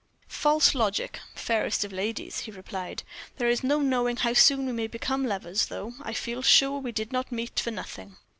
"False logic! fairest of ladies!" he replied; "there is no knowing how soon we may become lovers, though. I feel sure we did not meet for nothing."